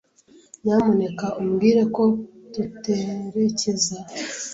Nyamuneka umbwire ko tuterekeza